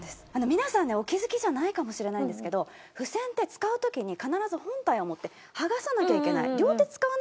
皆さんねお気づきじゃないかもしれないんですけど付箋って使う時に必ず本体を持って剥がさなきゃいけない。